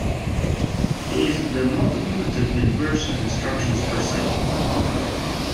It is the multiplicative inverse of instructions per cycle.